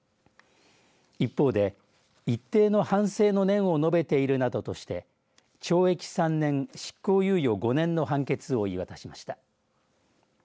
一方で、一定の反省の念を述べているなどとして懲役３年執行猶予５年の判決を言い渡しました。